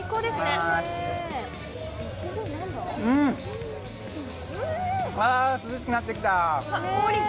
ん、あ、涼しくなってきた。